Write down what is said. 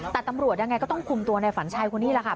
แต่ตำรวจยังไงก็ต้องคุมตัวในฝันชัยคนนี้แหละค่ะ